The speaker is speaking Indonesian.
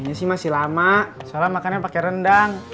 ini sih masih lama soalnya makannya pakai rendang